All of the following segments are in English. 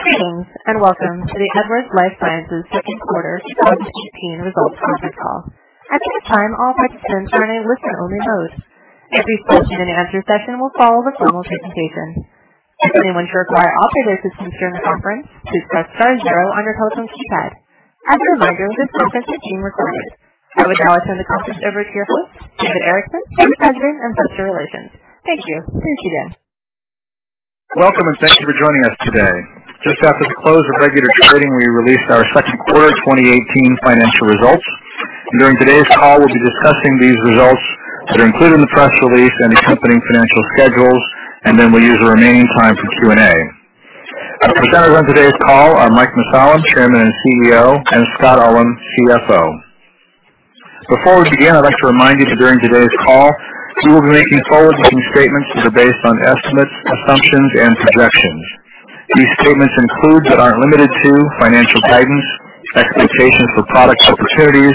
Greetings. Welcome to the Edwards Lifesciences second quarter 2018 results conference call. At this time, all participants are in a listen-only mode. A question-and-answer session will follow the formal presentation. Anyone who require operator assistance during the conference, please press star zero on your telephone keypad. As a reminder, this conference is being recorded. I would now turn the conference over to your host, David Roman, Vice President of Investor Relations. Thank you. Here's you, Dave. Welcome. Thank you for joining us today. Just after the close of regular trading, we released our second quarter 2018 financial results. During today's call, we'll be discussing these results that are included in the press release and accompanying financial schedules, and then we'll use the remaining time for Q&A. Our presenters on today's call are Michael Mussallem, Chairman and CEO, and Scott Ullem, CFO. Before we begin, I'd like to remind you that during today's call, we will be making forward-looking statements which are based on estimates, assumptions, and projections. These statements include, but aren't limited to, financial guidance, expectations for product opportunities,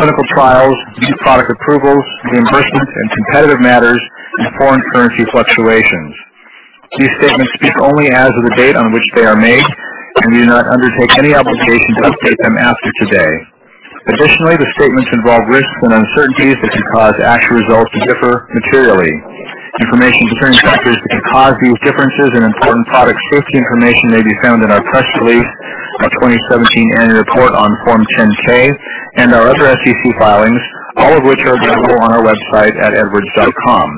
clinical trials, new product approvals, reimbursements and competitive matters, and foreign currency fluctuations. These statements speak only as of the date on which they are made, and we do not undertake any obligation to update them after today. Additionally, the statements involve risks and uncertainties that can cause actual results to differ materially. Information concerning factors that could cause these differences in important product safety information may be found in our press release, our 2017 annual report on Form 10-K and our other SEC filings, all of which are available on our website at edwards.com.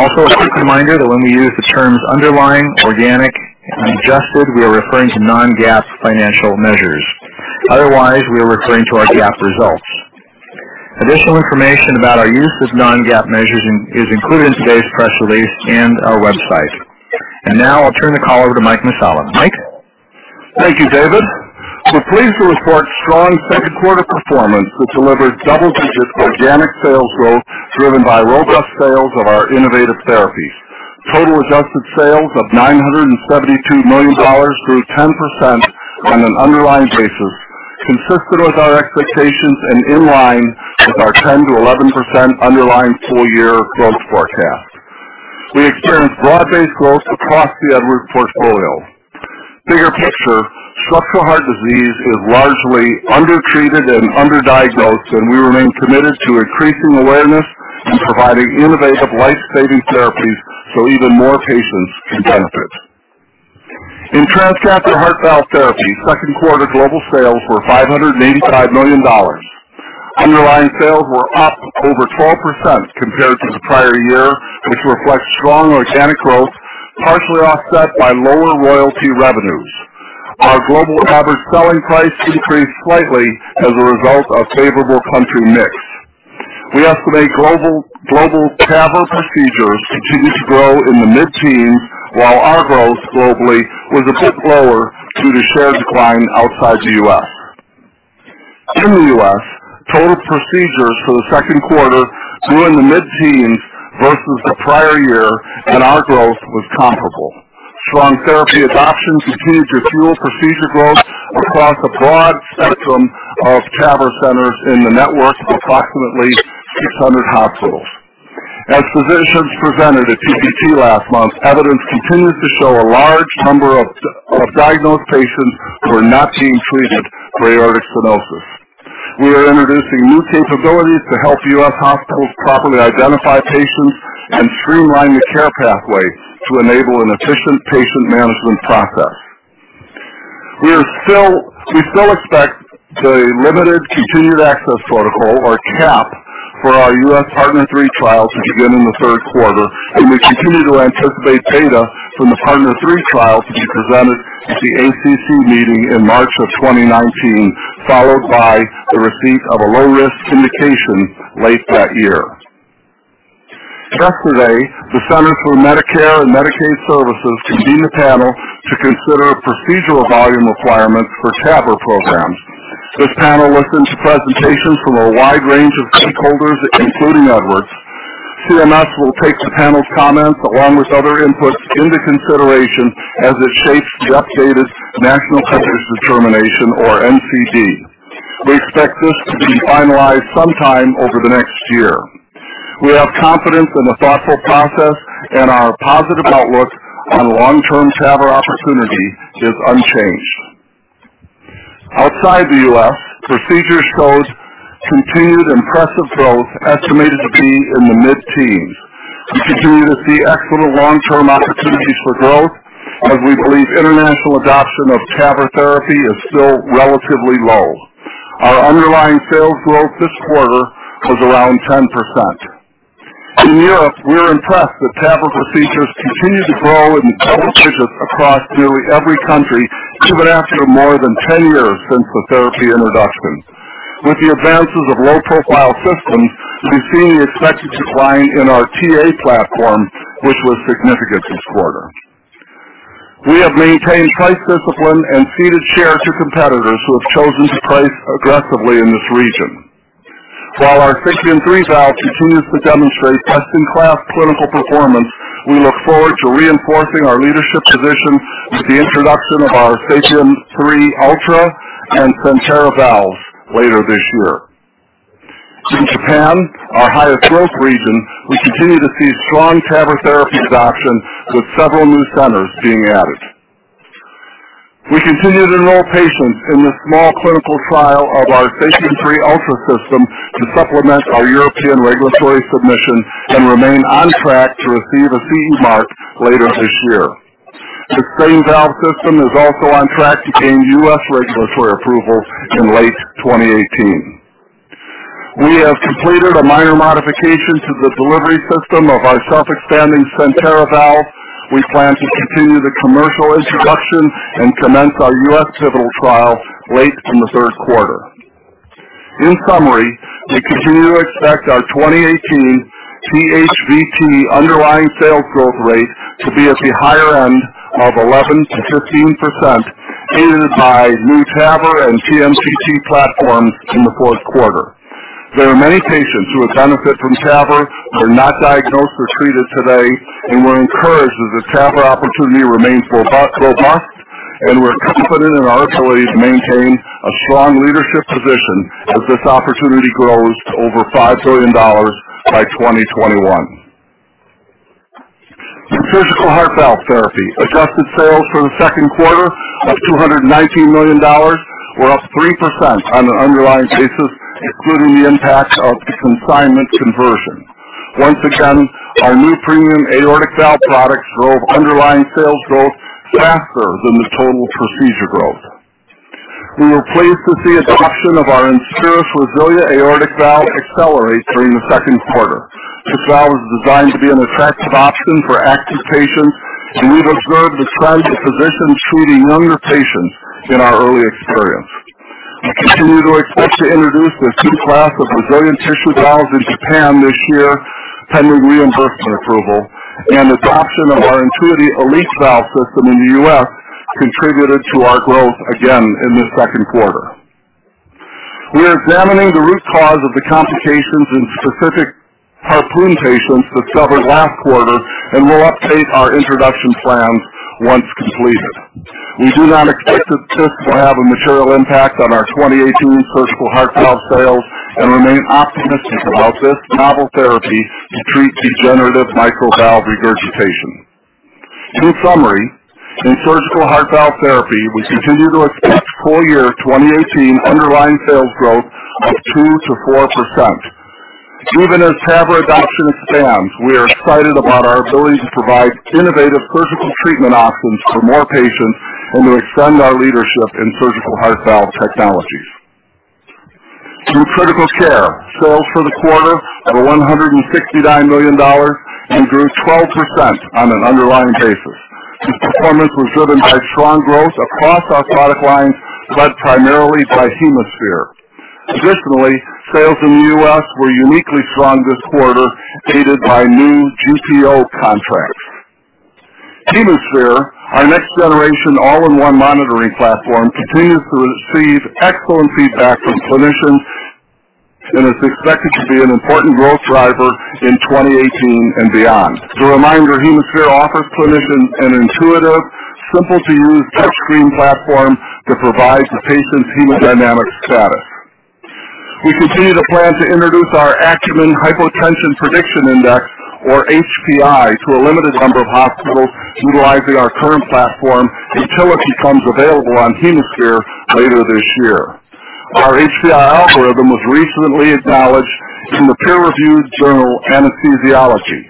Also, a quick reminder that when we use the terms underlying, organic, and adjusted, we are referring to non-GAAP financial measures. Otherwise, we are referring to our GAAP results. Additional information about our use of non-GAAP measures is included in today's press release and our website. Now I'll turn the call over to Michael Mussallem. Mike? Thank you, David. We're pleased to report strong second quarter performance, which delivered double-digit organic sales growth driven by robust sales of our innovative therapies. Total adjusted sales of $972 million grew 10% on an underlying basis, consistent with our expectations and in line with our 10%-11% underlying full-year growth forecast. We experienced broad-based growth across the Edwards portfolio. Bigger picture, structural heart disease is largely undertreated and underdiagnosed, and we remain committed to increasing awareness and providing innovative life-saving therapies so even more patients can benefit. In transcatheter heart valve therapy, second quarter global sales were $585 million. Underlying sales were up over 12% compared to the prior year, which reflects strong organic growth, partially offset by lower royalty revenues. Our global average selling price decreased slightly as a result of favorable country mix. We estimate global TAVR procedures continue to grow in the mid-teens, while our growth globally was a bit lower due to share decline outside the U.S. In the U.S., total procedures for the second quarter grew in the mid-teens versus the prior year, and our growth was comparable. Strong therapy adoption continued to fuel procedure growth across a broad spectrum of TAVR centers in the network of approximately 600 hospitals. As physicians presented at TCT last month, evidence continues to show a large number of diagnosed patients who are not being treated for aortic stenosis. We are introducing new capabilities to help U.S. hospitals properly identify patients and streamline the care pathway to enable an efficient patient management process. We still expect the limited continued access protocol or CAP for our U.S. PARTNER 3 trial to begin in the third quarter. We continue to anticipate data from the PARTNER 3 trial to be presented at the ACC meeting in March of 2019, followed by the receipt of a low-risk indication late that year. Just today, the Centers for Medicare & Medicaid Services convened a panel to consider procedural volume requirements for TAVR programs. This panel listened to presentations from a wide range of stakeholders, including Edwards. CMS will take the panel's comments along with other inputs into consideration as it shapes the updated National Coverage Determination or NCD. We expect this to be finalized sometime over the next year. We have confidence in the thoughtful process and our positive outlook on long-term TAVR opportunity is unchanged. Outside the U.S., procedures showed continued impressive growth, estimated to be in the mid-teens. We continue to see excellent long-term opportunities for growth as we believe international adoption of TAVR therapy is still relatively low. Our underlying sales growth this quarter was around 10%. In Europe, we are impressed that TAVR procedures continue to grow in double digits across nearly every country, even after more than 10 years since the therapy introduction. With the advances of low-profile systems, we are seeing expected decline in our TA platform, which was significant this quarter. We have maintained price discipline and ceded share to competitors who have chosen to price aggressively in this region. While our SAPIEN 3 valve continues to demonstrate best-in-class clinical performance, we look forward to reinforcing our leadership position with the introduction of our SAPIEN 3 Ultra and CENTERA valves later this year. In Japan, our highest growth region, we continue to see strong TAVR therapy adoption with several new centers being added. We continue to enroll patients in this small clinical trial of our SAPIEN 3 Ultra system to supplement our European regulatory submission and remain on track to receive a CE mark later this year. The same valve system is also on track to gain U.S. regulatory approval in late 2018. We have completed a minor modification to the delivery system of our self-expanding CENTERA valve. We plan to continue the commercial introduction and commence our U.S. pivotal trial late in the third quarter. In summary, we continue to expect our 2018 THVT underlying sales growth rate to be at the higher end of 11%-15%, aided by new TAVR and TMTT platforms in the fourth quarter. There are many patients who would benefit from TAVR, who are not diagnosed or treated today. We're encouraged that the TAVR opportunity remains robust. We're confident in our ability to maintain a strong leadership position as this opportunity grows to over $5 billion by 2021. In surgical heart valve therapy, adjusted sales for the second quarter of $219 million were up 3% on an underlying basis, including the impact of the consignment conversion. Once again, our new premium aortic valve products drove underlying sales growth faster than the total procedure growth. We were pleased to see adoption of our INSPIRIS RESILIA aortic valve accelerate during the second quarter. This valve is designed to be an attractive option for active patients. We've observed a trend of physicians treating younger patients in our early experience. We continue to expect to introduce the class 2 RESILIA tissue valves in Japan this year, pending reimbursement approval. Adoption of our INTUITY Elite valve system in the U.S. contributed to our growth again in the second quarter. We are examining the root cause of the complications in specific HARPOON patients discovered last quarter and will update our introduction plans once completed. We do not expect that this will have a material impact on our 2018 surgical heart valve sales and remain optimistic about this novel therapy to treat degenerative mitral valve regurgitation. In summary, in surgical heart valve therapy, we continue to expect full year 2018 underlying sales growth of 2%-4%. Even as TAVR adoption expands, we are excited about our ability to provide innovative surgical treatment options for more patients and to extend our leadership in surgical heart valve technologies. Through critical care, sales for the quarter were $169 million and grew 12% on an underlying basis. This performance was driven by strong growth across our product lines, led primarily by HemoSphere. Additionally, sales in the U.S. were uniquely strong this quarter, aided by new GPO contracts. HemoSphere, our next generation all-in-one monitoring platform, continues to receive excellent feedback from clinicians and is expected to be an important growth driver in 2018 and beyond. As a reminder, HemoSphere offers clinicians an intuitive, simple to use touchscreen platform that provides the patient's hemodynamic status. We continue to plan to introduce our Acumen Hypotension Prediction Index, or HPI, to a limited number of hospitals utilizing our current platform until it becomes available on HemoSphere later this year. Our HPI algorithm was recently acknowledged in the peer-reviewed journal Anesthesiology.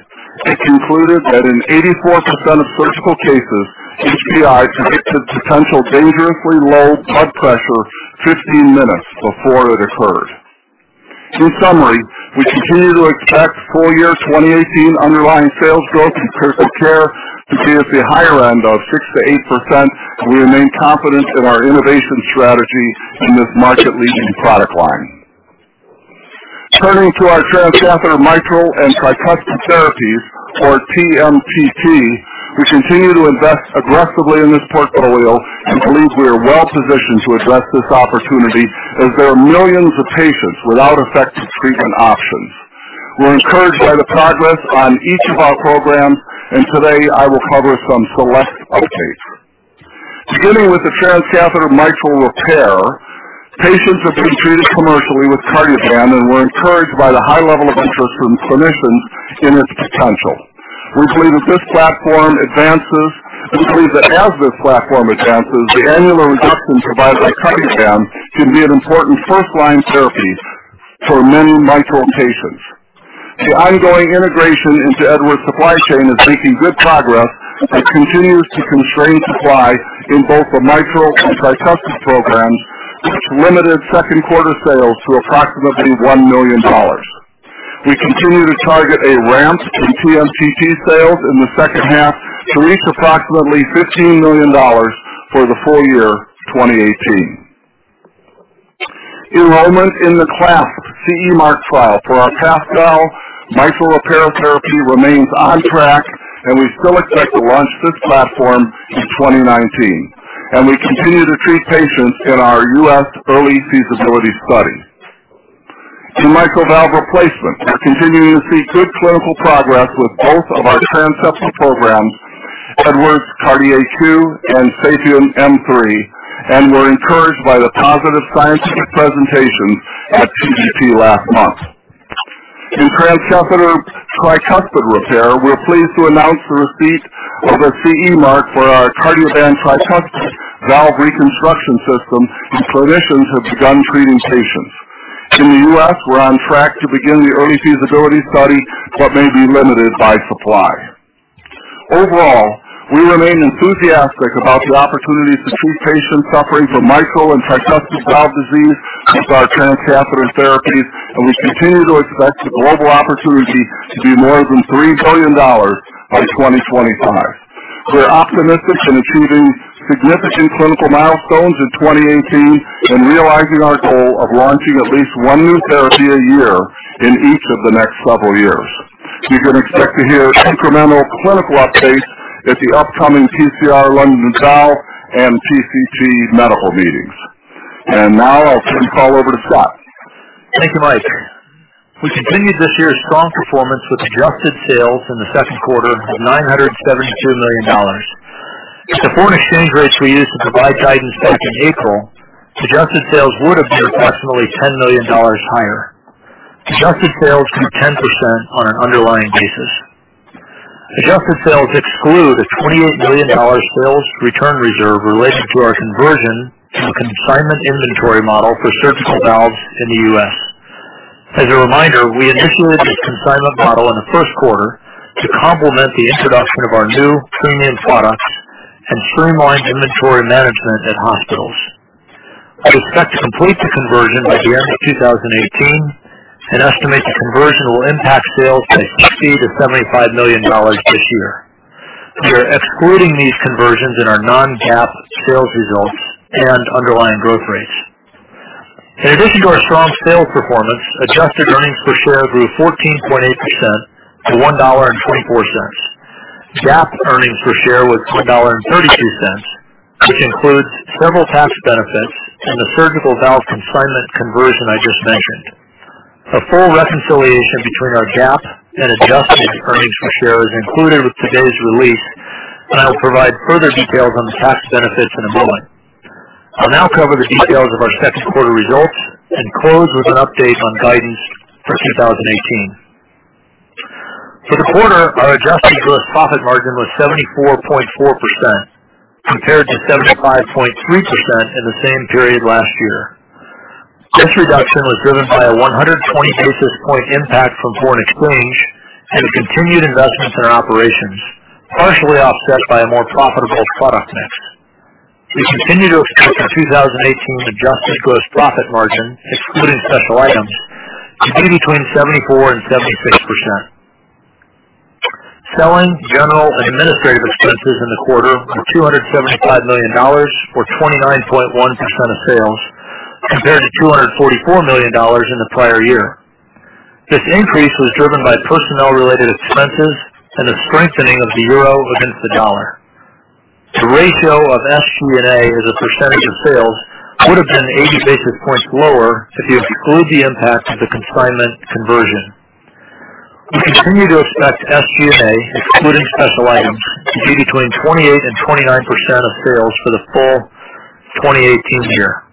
It concluded that in 84% of surgical cases, HPI predicted potential dangerously low blood pressure 15 minutes before it occurred. In summary, we continue to expect full year 2018 underlying sales growth in critical care to be at the higher end of 6%-8%. We remain confident in our innovation strategy in this market-leading product line. Turning to our Transcatheter Mitral and Tricuspid Therapies, or TMTT, we continue to invest aggressively in this portfolio. We believe we are well positioned to address this opportunity as there are millions of patients without effective treatment options. We're encouraged by the progress on each of our programs. Today I will cover some select updates. Beginning with the transcatheter mitral repair, patients are being treated commercially with Cardioband. We're encouraged by the high level of interest from clinicians in its potential. We believe that as this platform advances, the annular reduction provided by Cardioband can be an important first-line therapy for many mitral patients. The ongoing integration into Edwards' supply chain is making good progress, but continues to constrain supply in both the mitral and tricuspid programs, which limited second quarter sales to approximately $1 million. We continue to target a ramp in TMTT sales in the second half to reach approximately $15 million for the full year 2018. Enrollment in the CLASP CE mark trial for our PASCAL mitral repair therapy remains on track, and we still expect to launch this platform in 2019. We continue to treat patients in our U.S. early feasibility study. In mitral valve replacement, we are continuing to see good clinical progress with both of our transseptal programs, Edwards CardiAQ and SAPIEN M3, and we are encouraged by the positive scientific presentations at TCT last month. In transcatheter tricuspid repair, we are pleased to announce the receipt of a CE mark for our Cardioband tricuspid valve reconstruction system, and clinicians have begun treating patients. In the U.S., we are on track to begin the early feasibility study, but may be limited by supply. Overall, we remain enthusiastic about the opportunity to treat patients suffering from mitral and tricuspid valve disease with our transcatheter therapies, and we continue to expect the global opportunity to be more than $3 billion by 2025. We are optimistic in achieving significant clinical milestones in 2018 and realizing our goal of launching at least one new therapy a year in each of the next several years. You can expect to hear incremental clinical updates at the upcoming PCR London Valves and TCT medical meetings. Now I will turn the call over to Scott. Thank you, Mike. We continued this year's strong performance with adjusted sales in the second quarter of $972 million. If the foreign exchange rates we used to provide guidance back in April, adjusted sales would have been approximately $10 million higher. Adjusted sales grew 10% on an underlying basis. Adjusted sales exclude a $28 million sales return reserve related to our conversion to a consignment inventory model for surgical valves in the U.S. As a reminder, we initiated this consignment model in the first quarter to complement the introduction of our new premium products and streamline inventory management at hospitals. I expect to complete the conversion by the end of 2018 and estimate the conversion will impact sales by $60 million-$75 million this year. We are excluding these conversions in our non-GAAP sales results and underlying growth rates. In addition to our strong sales performance, adjusted earnings per share grew 14.8% to $1.24. GAAP earnings per share was $1.32, which includes several tax benefits and the surgical valve consignment conversion I just mentioned. A full reconciliation between our GAAP and adjusted earnings per share is included with today's release, and I will provide further details on the tax benefits in a moment. I will now cover the details of our second quarter results and close with an update on guidance for 2018. For the quarter, our adjusted gross profit margin was 74.4% compared to 75.3% in the same period last year. This reduction was driven by a 120 basis point impact from foreign exchange and continued investments in our operations, partially offset by a more profitable product mix. We continue to expect a 2018 adjusted gross profit margin, excluding special items, to be between 74% and 76%. Selling, general, and administrative expenses in the quarter were $275 million or 29.1% of sales, compared to $244 million in the prior year. This increase was driven by personnel-related expenses and the strengthening of the euro against the dollar. The ratio of SG&A as a percentage of sales would have been 80 basis points lower if you exclude the impact of the consignment conversion. We continue to expect SG&A, excluding special items, to be between 28% and 29% of sales for the full 2018 year.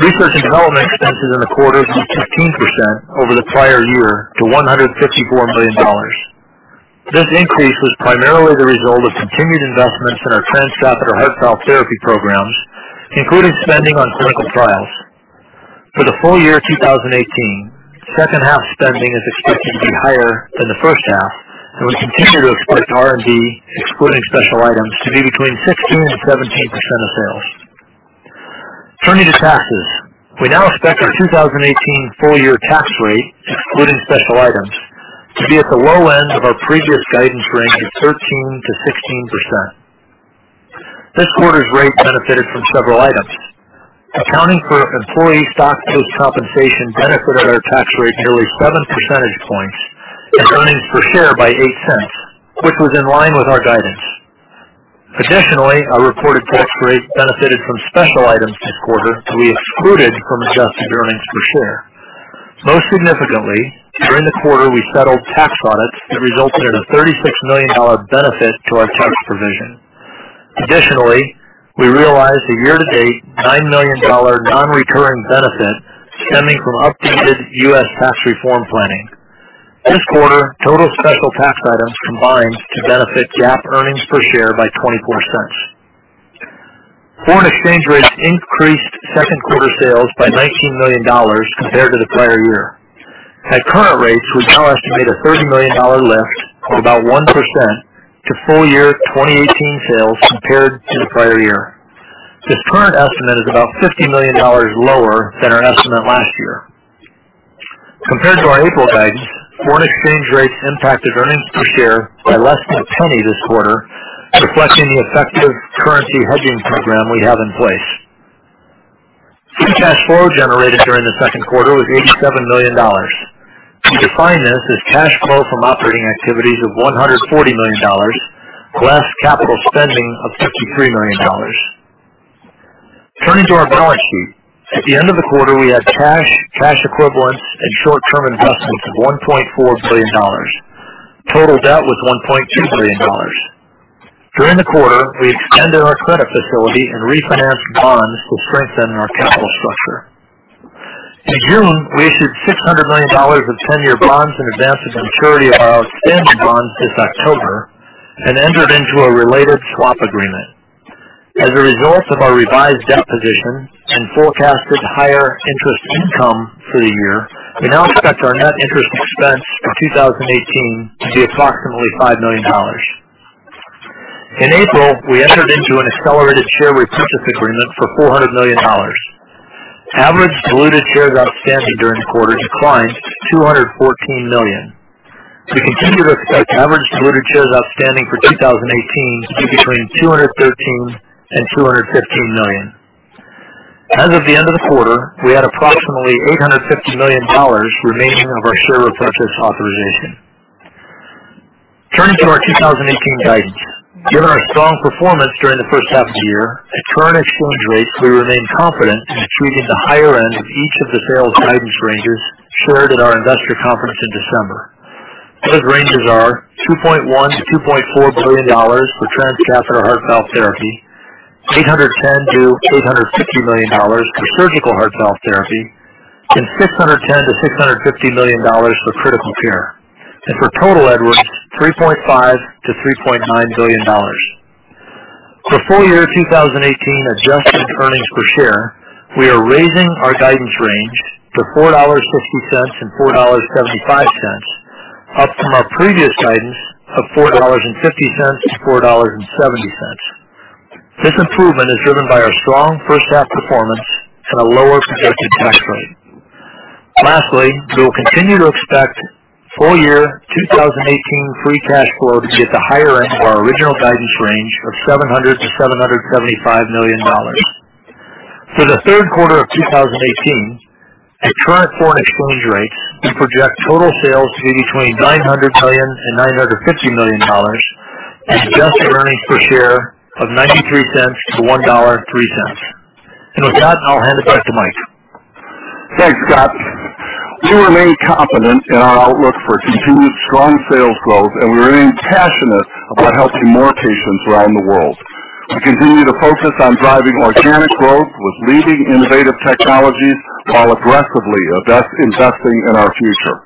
Research and development expenses in the quarter grew 15% over the prior year to $154 million. This increase was primarily the result of continued investments in our transcatheter heart valve therapy programs, including spending on clinical trials. For the full year 2018, second half spending is expected to be higher than the first half. We continue to expect R&D, excluding special items, to be between 16%-17% of sales. Turning to taxes, we now expect our 2018 full-year tax rate, excluding special items, to be at the low end of our previous guidance range of 13%-16%. This quarter's rate benefited from several items. Accounting for employee stock-based compensation benefited our tax rate nearly seven percentage points and earnings per share by $0.08, which was in line with our guidance. Additionally, our reported tax rate benefited from special items this quarter that we excluded from adjusted earnings per share. Most significantly, during the quarter, we settled tax audits that resulted in a $36 million benefit to our tax provision. Additionally, we realized a year-to-date $9 million non-recurring benefit stemming from updated U.S. tax reform planning. This quarter, total special tax items combined to benefit GAAP earnings per share by $0.24. Foreign exchange rates increased second quarter sales by $19 million compared to the prior year. At current rates, we now estimate a $30 million lift or about 1% to full year 2018 sales compared to the prior year. This current estimate is about $50 million lower than our estimate last year. Compared to our April guidance, foreign exchange rates impacted earnings per share by less than $0.01 this quarter, reflecting the effective currency hedging program we have in place. Free cash flow generated during the second quarter was $87 million. We define this as cash flow from operating activities of $140 million, less capital spending of $53 million. Turning to our balance sheet. At the end of the quarter, we had cash equivalents, and short-term investments of $1.4 billion. Total debt was $1.2 billion. During the quarter, we extended our credit facility and refinanced bonds to strengthen our capital structure. In June, we issued $600 million of 10-year bonds in advance of maturity of our outstanding bonds this October and entered into a related swap agreement. As a result of our revised debt position and forecasted higher interest income for the year, we now expect our net interest expense for 2018 to be approximately $5 million. In April, we entered into an accelerated share repurchase agreement for $400 million. Average diluted shares outstanding during the quarter declined to 214 million. We continue to expect average diluted shares outstanding for 2018 to be between 213 and 215 million. As of the end of the quarter, we had approximately $850 million remaining of our share repurchase authorization. Turning to our 2018 guidance. Given our strong performance during the first half of the year, at current exchange rates, we remain confident in achieving the higher end of each of the sales guidance ranges shared at our investor conference in December. Those ranges are $2.1 billion-$2.4 billion for transcatheter heart valve therapy, $810 million-$850 million for surgical heart valve therapy, and $610 million-$650 million for critical care. For total, Edwards, $3.5 billion-$3.9 billion. For full-year 2018 adjusted earnings per share, we are raising our guidance range to $4.50-$4.75, up from our previous guidance of $4.50-$4.70. This improvement is driven by our strong first-half performance and a lower projected tax rate. Lastly, we will continue to expect full-year 2018 free cash flow to be at the higher end of our original guidance range of $700 million-$775 million. For the third quarter of 2018, at current foreign exchange rates, we project total sales to be between $900 million and $950 million and adjusted earnings per share of $0.93-$1.03. With that, I'll hand it back to Mike. Thanks, Scott. We remain confident in our outlook for continued strong sales growth, we remain passionate about helping more patients around the world. We continue to focus on driving organic growth with leading innovative technologies while aggressively investing in our future.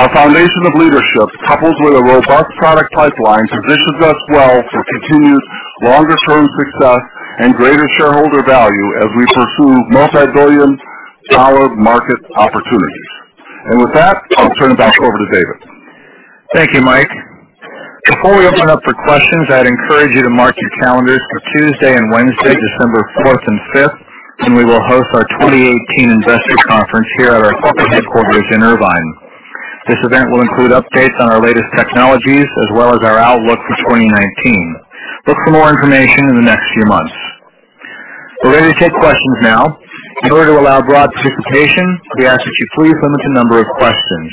Our foundation of leadership, coupled with a robust product pipeline, positions us well for continued longer-term success and greater shareholder value as we pursue multibillion-dollar market opportunities. With that, I'll turn it back over to David. Thank you, Mike. Before we open up for questions, I'd encourage you to mark your calendars for Tuesday and Wednesday, December 4th and 5th, when we will host our 2018 investor conference here at our corporate headquarters in Irvine. This event will include updates on our latest technologies as well as our outlook for 2019. Look for more information in the next few months. We're ready to take questions now. In order to allow broad participation, we ask that you please limit the number of questions.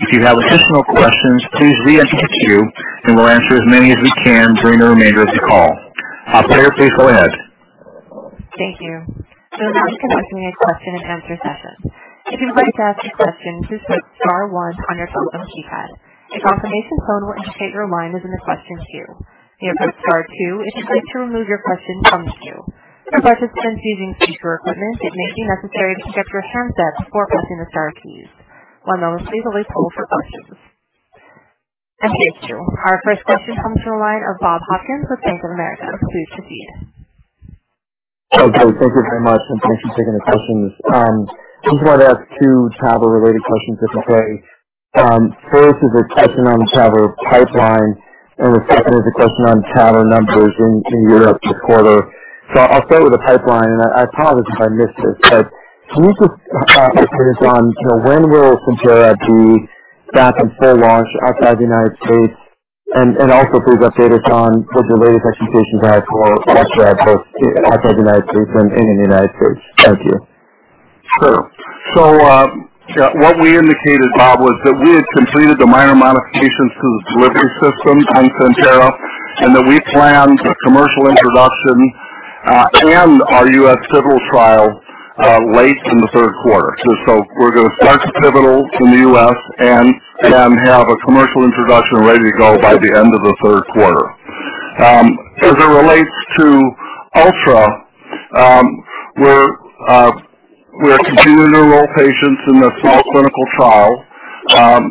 If you have additional questions, please re-enter the queue and we'll answer as many as we can during the remainder of the call. Operator, please go ahead. Thank you. Now we can begin the question and answer session. If you'd like to ask a question, please press star one on your telephone keypad. A confirmation tone will indicate your line is in the question queue. To remove star two if you'd like to remove your question from the queue. For participants using speaker equipment, it may be necessary to check your phone settings before pressing the star keys. One moment please while we poll for questions. Thank you. Our first question comes from the line of Bob Hopkins with Bank of America. Please proceed. Okay. Thank you very much, and thanks for taking the questions. I just wanted to ask two TAVR-related questions, if I may. First is a question on the TAVR pipeline, and the second is a question on TAVR numbers in Europe this quarter. I'll start with the pipeline, and I apologize if I missed this, but can you just update us on when will CENTERA be back in full launch outside the U.S.? And also please update us on what your latest expectations are for Ultra both outside the U.S. and in the U.S. Thank you. Sure. What we indicated, Bob, was that we had completed the minor modifications to the delivery system on CENTERA, and that we planned a commercial introduction and our U.S. pivotal trial late in the third quarter. We're going to start the pivotal in the U.S. and then have a commercial introduction ready to go by the end of the third quarter. As it relates to Ultra, we're continuing to enroll patients in the small clinical trial,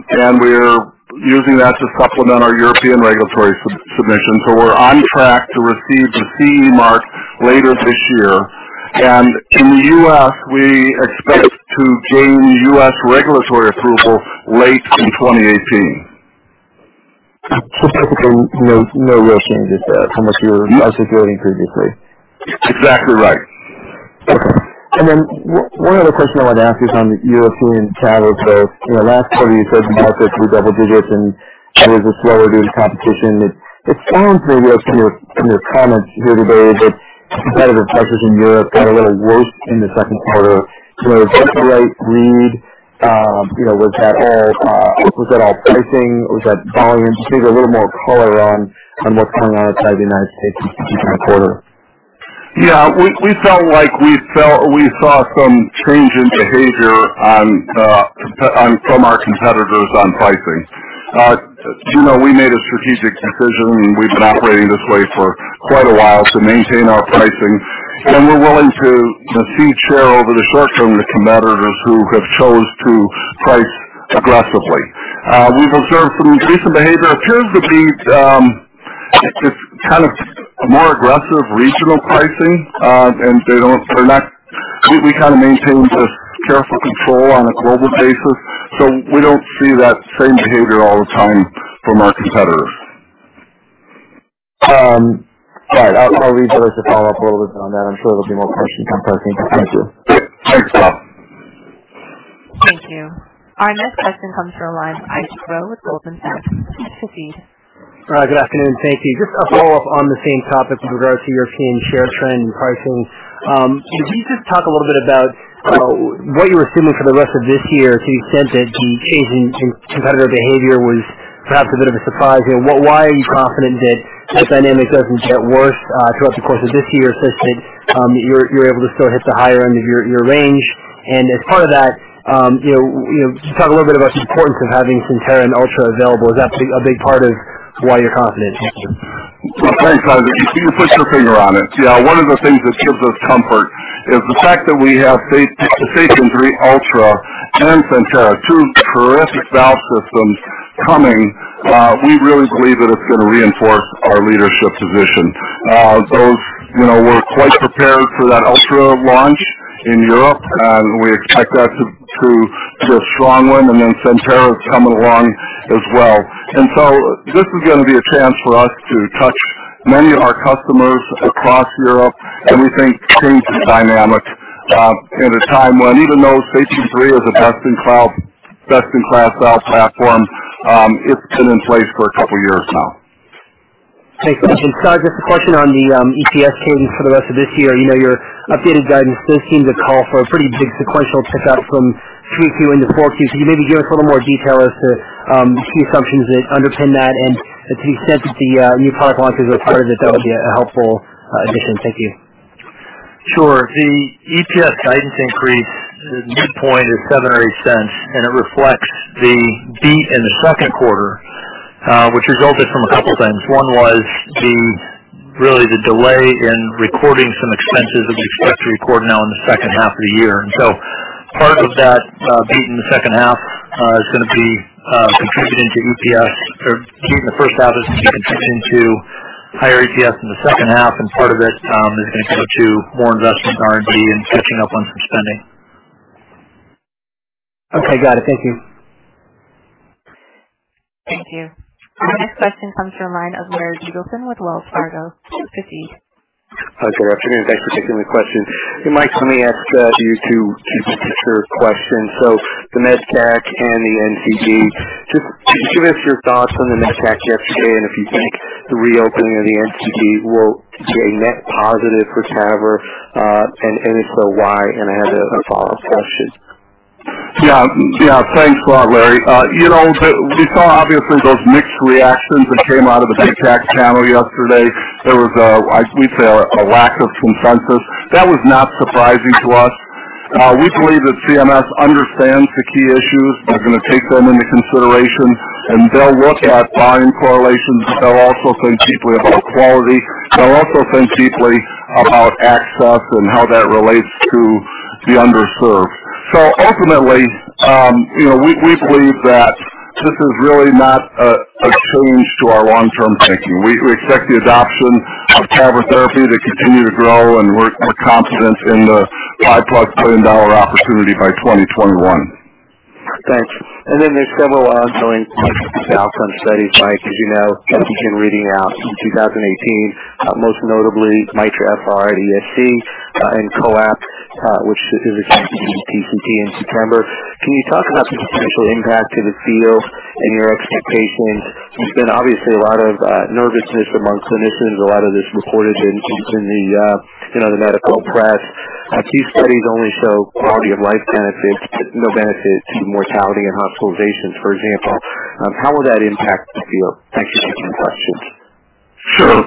and we're using that to supplement our European regulatory submission. We're on track to receive the CE mark later this year. And in the U.S., we expect to gain U.S. regulatory approval late in 2018. Basically no real change with that from what you articulated previously. Exactly right. One other question I wanted to ask is on European TAVR. Last quarter you said the market was double digits and that it was slower due to competition. It sounds maybe from your comments here today that competitive pressures in Europe got a little worse in the second quarter. Is that the right read? Was that all pricing? Was that volume? Just maybe a little more color on what's going on outside the U.S. this past quarter. We felt like we saw some change in behavior from our competitors on pricing. We made a strategic decision, and we've been operating this way for quite a while to maintain our pricing, and we're willing to cede share over the short term to competitors who have chosen to price aggressively. We've observed some recent behavior. It appears to be a more aggressive regional pricing, and we maintain just careful control on a global basis. We don't see that same behavior all the time from our competitors. I'll reserve the follow-up a little bit on that. I'm sure there'll be more questions on pricing. Thank you. Thanks, Tom. Thank you. Our next question comes from the line of Ishan Rao with Goldman Sachs. Please proceed. Good afternoon. Thank you. Just a follow-up on the same topic with regards to European share trend and pricing. Can you just talk a little bit about what you're assuming for the rest of this year to the extent that the change in competitor behavior was perhaps a bit of a surprise? Why are you confident that that dynamic doesn't get worse throughout the course of this year such that you're able to still hit the higher end of your range? And as part of that, can you talk a little bit about the importance of having CENTERA and Ultra available? Is that a big part of why you're confident? Thanks, Ishan. Yeah, one of the things that gives us comfort is the fact that we have SAPIEN 3 Ultra and CENTERA, two terrific valve systems coming. We really believe that it's going to reinforce our leadership position. We're quite prepared for that Ultra launch in Europe, and we expect that to be a strong one, and then CENTERA's coming along as well. This is going to be a chance for us to touch many of our customers across Europe, and we think change the dynamic in a time when, even though SAPIEN 3 is a best-in-class valve platform, it's been in place for a couple of years now. Thanks. Scott, just a question on the EPS cadence for the rest of this year. Your updated guidance does seem to call for a pretty big sequential pickup from Q2 into Q4. Could you maybe give us a little more detail as to the key assumptions that underpin that and to the extent that the new product launches are part of it? That would be a helpful addition. Thank you. Sure. The EPS guidance increase midpoint is $0.07 or $0.08. It reflects the beat in the second quarter, which resulted from a couple of things. One was really the delay in recording some expenses that we expect to record now in the second half of the year. Part of that beat in the first half is going to be contributing to higher EPS in the second half, and part of it is going to go to more investment in R&D and catching up on some spending. Okay, got it. Thank you. Thank you. Our next question comes from the line of Larry Biegelsen with Wells Fargo. Please proceed. Hi there. Good afternoon. Thanks for taking my questions. Hey, Mike, let me ask you two TAVR questions. The MedCAC and the NCD, just can you give us your thoughts on the MedCAC yesterday, and if you think the reopening of the NCD will be a net positive for TAVR, and if so, why? I have a follow-up question. Thanks a lot, Larry. We saw, obviously, those mixed reactions that came out of the MedCAC panel yesterday. There was, I'd say, a lack of consensus. That was not surprising to us. We believe that CMS understands the key issues. They're going to take them into consideration, and they'll look at volume correlations, but they'll also think deeply about quality. They'll also think deeply about access and how that relates to the underserved. Ultimately, we believe that this is really not a change to our long-term thinking. We expect the adoption of TAVR therapy to continue to grow, and we're confident in the five-plus billion-dollar opportunity by 2021. Thanks. There's several ongoing clinical outcome studies, Mike, as you know, that begin reading out in 2018, most notably MITRA-FR, ESC, and COAPT, which is a TCT in September. Can you talk about the potential impact to the field and your expectations? There's been obviously a lot of nervousness among clinicians, a lot of this reported in the medical press. If these studies only show quality-of-life benefits, no benefit to mortality and hospitalizations, for example, how will that impact the field? Thanks for taking my questions. Sure.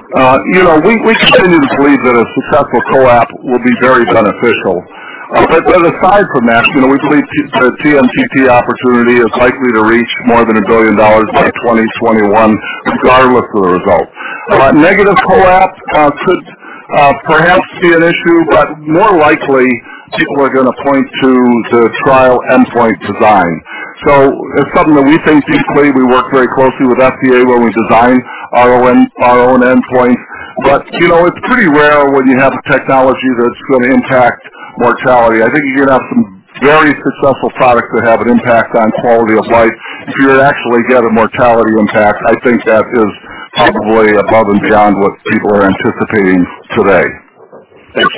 We continue to believe that a successful COAPT will be very beneficial. Aside from that, we believe the TMTT opportunity is likely to reach more than $1 billion by 2021 regardless of the result. A negative COAPT could perhaps be an issue, but more likely, people are going to point to the trial endpoint design. It's something that we think deeply. We work very closely with FDA, where we design our own endpoints. It's pretty rare when you have a technology that's going to impact mortality. I think you can have some very successful products that have an impact on quality of life. If you actually get a mortality impact, I think that is probably above and beyond what people are anticipating today. Thanks.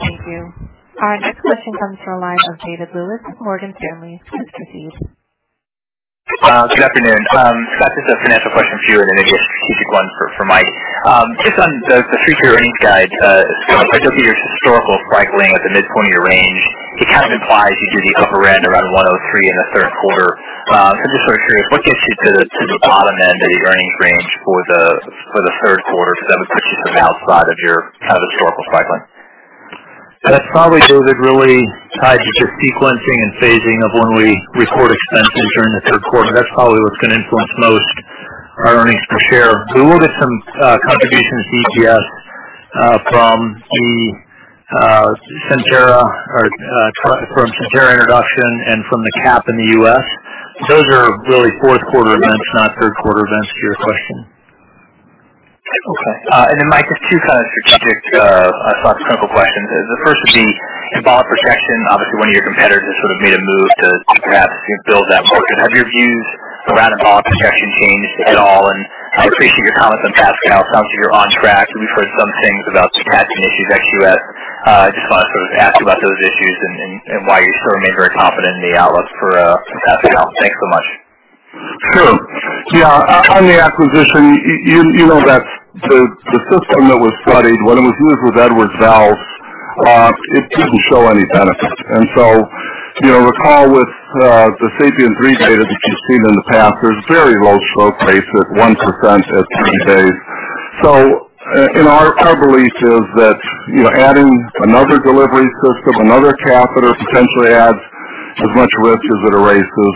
Thank you. Our next question comes from the line of David Lewis, Morgan Stanley. Please proceed. Good afternoon. Scott, just a financial question for you then maybe a strategic one for Mike. Just on the 3Q earnings guide. Scott, if I look at your historical cycling at the midpoint of your range, it kind of implies you do the upper end around 103 in the third quarter. I'm just sort of curious, what gets you to the bottom end of the earnings range for the third quarter? That would put you to the outside of your historical cycling. That's probably, David, really tied to just sequencing and phasing of when we record expenses during the third quarter. That's probably what's going to influence most our earnings per share. We will get some contributions to EPS from the CENTERA introduction and from the CAP in the U.S. Those are really fourth quarter events, not third quarter events to your question. Okay. Then Mike, just two kind of strategic, I suppose, clinical questions. The first would be embolic protection. Obviously, one of your competitors sort of made a move to perhaps build that more. Have your views around embolic protection changed at all? I appreciate your comments on PASCAL. It sounds like you're on track. We've heard some things about some catching issues at. [inaudible] Just want to sort of ask you about those issues and why you sort of remain very confident in the outlook for PASCAL. Thanks so much. Sure. Yeah. On the acquisition, you know that the system that was studied when it was used with Edwards valves, it didn't show any benefit. Recall with the SAPIEN 3 data that you've seen in the past, there's very low stroke rates at 1% at 90 days. Our belief is that adding another delivery system, another catheter potentially adds as much risk as it erases.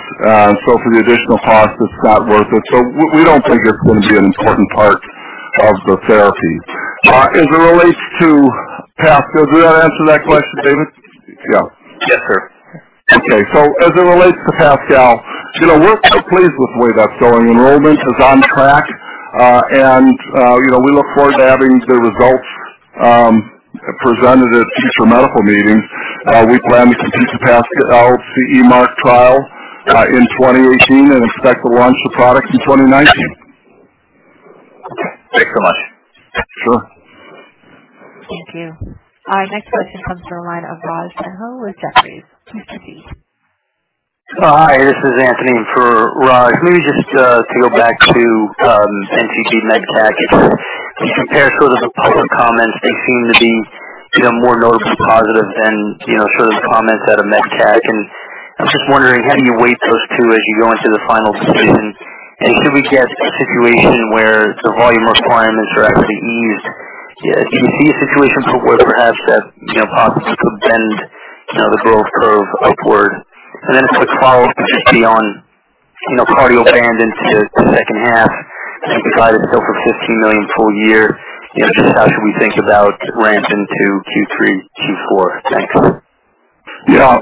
For the additional cost, it's not worth it. We don't think it's going to be an important part of the therapy. As it relates to PASCAL, did that answer that question, David? Yeah. Yes, sir. Okay. As it relates to PASCAL, we're quite pleased with the way that's going. Enrollment is on track. We look forward to having the results presented at future medical meetings. We plan to complete the PASCAL CE Mark trial in 2018 and expect to launch the product in 2019. Okay. Thanks so much. Sure. Thank you. Our next question comes from the line of Raj Denhoy with Jefferies. Please proceed. Hi, this is Anthony for Raj. Maybe just to go back to NCD MEDCAC. If you compare sort of the public comments, they seem to be more notably positive than sort of the comments out of MEDCAC. I was just wondering, how do you weigh those two as you go into the final decision? Could we get a situation where the volume requirements are actually eased? Could we see a situation where perhaps that possibly could bend the growth curve upward? Then just a quick follow-up, just beyond Cardioband into the second half. You provided still for $15 million full year. Just how should we think about ramp into Q3, Q4? Thanks. Yeah.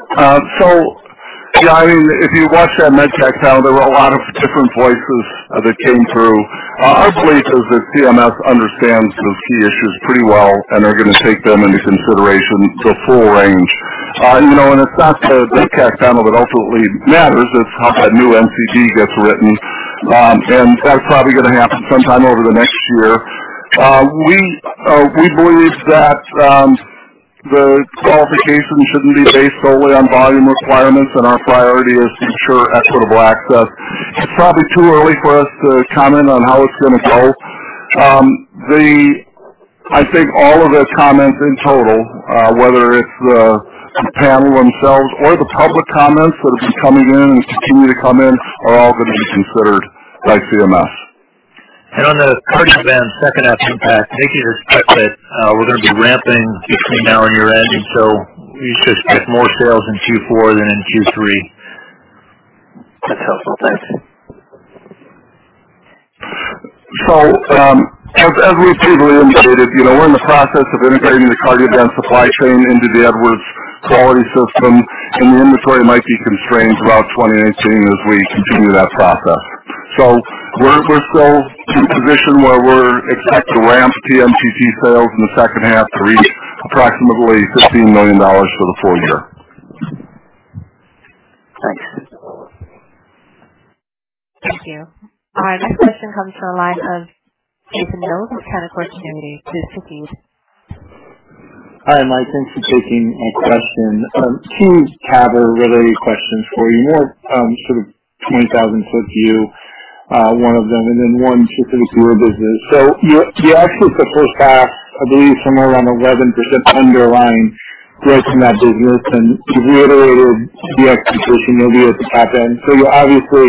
If you watch that MEDCAC panel, there were a lot of different voices that came through. Our belief is that CMS understands those key issues pretty well and are going to take them into consideration the full range. It's not the MEDCAC panel that ultimately matters, it's how that new NCD gets written. That's probably going to happen sometime over the next year. We believe that the qualification shouldn't be based solely on volume requirements, and our priority is to ensure equitable access. It's probably too early for us to comment on how it's going to go. I think all of the comments in total, whether it's the panel themselves or the public comments that have been coming in and continue to come in, are all going to be considered by CMS. On the Cardioband second half impact, I think you'd expect that we're going to be ramping between now and year-end, and so you should expect more sales in Q4 than in Q3. That's helpful. Thanks. As we've previously indicated, we're in the process of integrating the Cardioband supply chain into the Edwards quality system, and the inventory might be constrained throughout 2019 as we continue that process. We're still in a position where we expect to ramp TMTT sales in the second half to reach approximately $15 million for the full year. Thanks. Thank you. Our next question comes from the line of Jason Mills with Credit Suisse. Please proceed. Hi, Mike. Thanks for taking a question. Two TAVR related questions for you. More sort of 20,000-foot view, one of them, and then one specifically to your business. You actually took the first half, I believe somewhere around 11% underlying growth in that business, and you've reiterated the expectation maybe at the top end. You obviously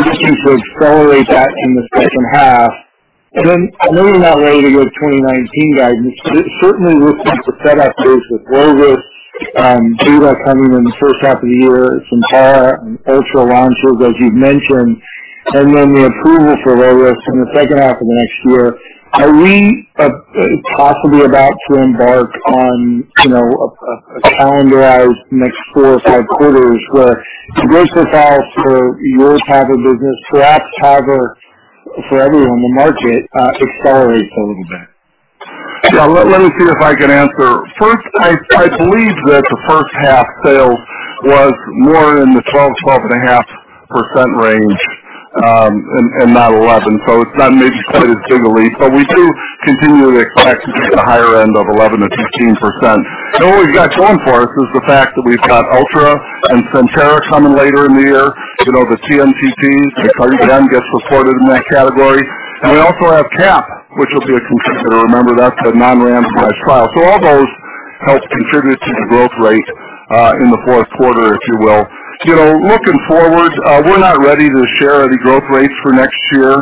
looking to accelerate that in the second half. I know you're not ready to give 2019 guidance, but it certainly looks like the setup is with low-risk data coming in the first half of the year, some S3 and Ultra launches, as you've mentioned, and then the approval for low-risk in the second half of next year. Are we possibly about to embark on a calendarized next four or five quarters where the growth profile for your TAVR business, perhaps TAVR for everyone in the market, accelerates a little bit? Yeah. Let me see if I can answer. First, I believe that the first half sales was more in the 12.5% range. Not 11. It's not maybe quite as big a leap, but we do continually expect to be at the higher end of 11%-15%. What we've got going for us is the fact that we've got Ultra and CENTERA coming later in the year. The TMTTs, the [inaudible] gets supported in that category. We also have CAP, which will be a contributor. Remember, that's the non-randomized trial. All those help contribute to the growth rate in the fourth quarter, if you will. Looking forward, we're not ready to share any growth rates for next year.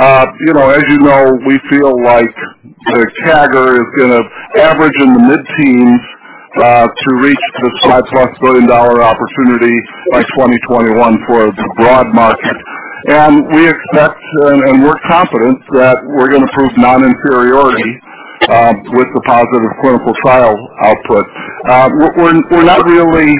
As you know, we feel like the CAGR is going to average in the mid-teens to reach this $5 plus billion opportunity by 2021 for the broad market. We expect, and we're confident that we're going to prove non-inferiority with the positive clinical trial output. We're not really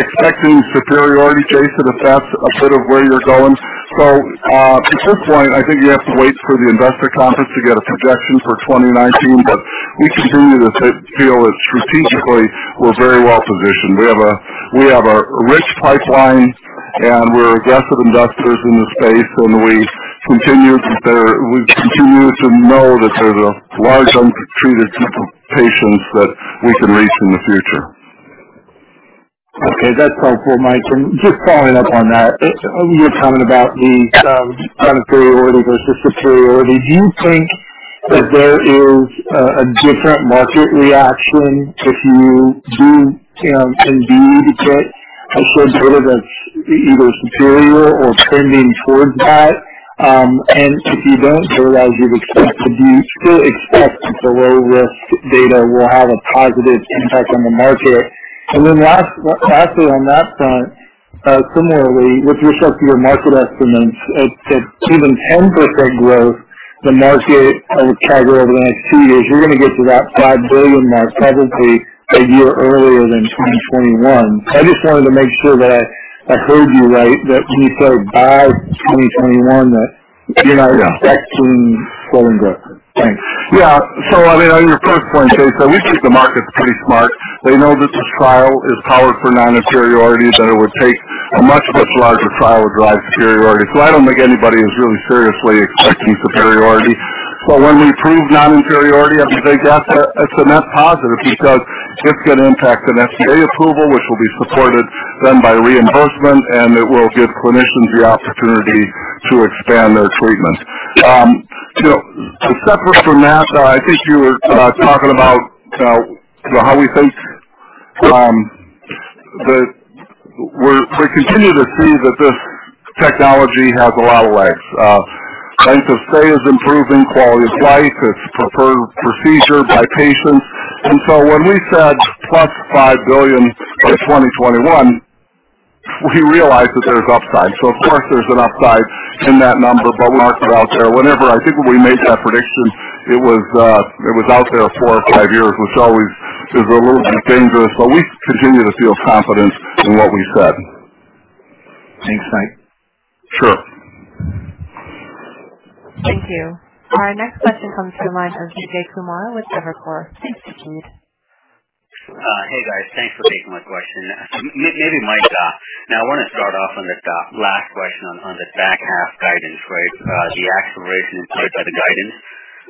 expecting superiority, Jason, if that's a bit of where you're going. At this point, I think you have to wait for the investor conference to get a projection for 2019. We continue to feel that strategically we're very well positioned. We have a rich pipeline, we're aggressive investors in the space, and we continue to know that there's a large untreated group of patients that we can reach in the future. Okay. That's helpful, Mike. Just following up on that, your comment about the non-inferiority versus superiority, do you think that there is a different market reaction if you do indeed get a head-to-head that's either superior or trending towards that? If you don't, as you'd expect, do you still expect the low-risk data will have a positive impact on the market? Lastly on that front, similarly with respect to your market estimates, at even 10% growth, the market or the CAGR over the next two years, you're going to get to that $5 billion mark probably a year earlier than 2021. I just wanted to make sure that I heard you right, that when you say by 2021, that you're not expecting slowing growth. Thanks. Yeah. On your first point, Jason, we think the market's pretty smart. They know that this trial is powered for non-inferiority, that it would take a much, much larger trial to drive superiority. I don't think anybody is really seriously expecting superiority. When we prove non-inferiority, I think that's a net positive because it's going to impact an FDA approval, which will be supported then by reimbursement, and it will give clinicians the opportunity to expand their treatment. Separate from that, I think you were talking about how we think that we continue to see that this technology has a lot of legs. Length of stay is improving, quality of life, it's preferred procedure by patients. When we said plus $5 billion by 2021, we realize that there's upside. Of course there's an upside in that number, but market out there. Whenever I think we made that prediction, it was out there four or five years, which always is a little bit dangerous, but we continue to feel confident in what we said. Thanks, Mike. Sure. Thank you. Our next question comes from the line of Vijay Kumar with Evercore. Thanks, Vijay. Hey, guys. Thanks for taking my question. Maybe Mike. I want to start off on that last question on the back half guidance. The acceleration implied by the guidance.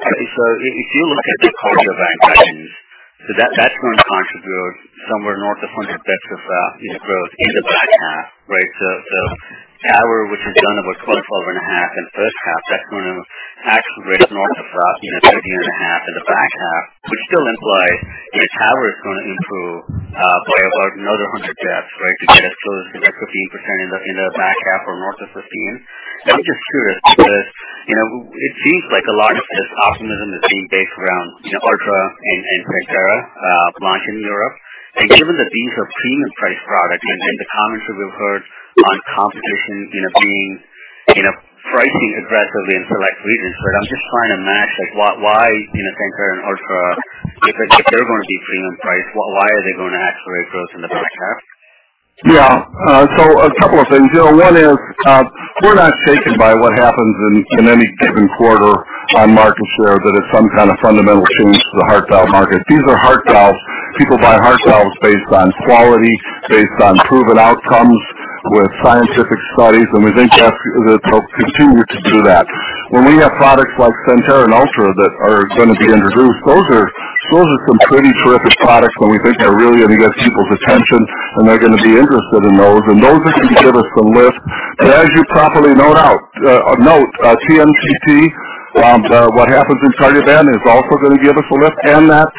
If you look at the CENTERA guidance, that's going to contribute somewhere north of 100 basis points of unit growth in the back half, right? TAVR, which has done about 12.5% in the first half, that's going to accelerate north of 13.5% in the back half, which still implies TAVR is going to improve by about another 100 basis points, right? To get as close to that 15% in the back half or north of 15%. I'm just curious because it seems like a lot of this optimism is being based around Ultra and CENTERA launch in Europe. Given that these are premium priced products and the comments that we've heard on competition pricing aggressively in select regions. I'm just trying to match why CENTERA and Ultra, if they're going to be premium priced, why are they going to accelerate growth in the back half? A couple of things. One is, we're not shaken by what happens in any given quarter on market share that it's some kind of fundamental change to the heart valve market. These are heart valves. People buy heart valves based on quality, based on proven outcomes with scientific studies, and we think that'll continue to do that. When we have products like CENTERA and Ultra that are going to be introduced, those are some pretty terrific products and we think are really going to get people's attention and they're going to be interested in those, and those are going to give us some lift. As you properly note, TMTT, what happens in TAVR then is also going to give us a lift and that